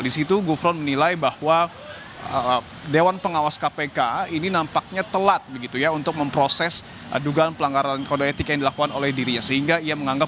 di situ gufron menilai bahwa dewan pengawas kpk ini nampaknya telat untuk memproses dugaan pelanggaran kode etik yang dilakukan oleh dirinya sehingga ia menganggap